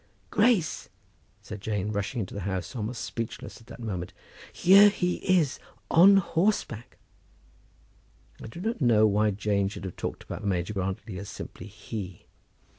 "Grace!" said Jane, rushing into the house almost speechless, at that moment, "here he is! on horseback." I do not know why Jane should have talked about Major Grantly as simply "he."